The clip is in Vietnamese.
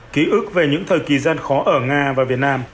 ký ức về những thời kỳ gian khó ở nga và việt nam